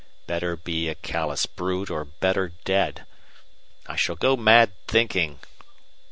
Better be a callous brute or better dead! I shall go mad thinking!